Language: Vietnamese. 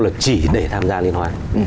là chỉ để tham gia liên hoàn